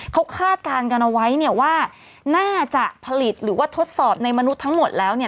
เขาคาดการณ์กันเอาไว้เนี่ยว่าน่าจะผลิตหรือว่าทดสอบในมนุษย์ทั้งหมดแล้วเนี่ย